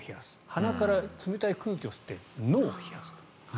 鼻から冷たい空気を吸って脳を冷やす。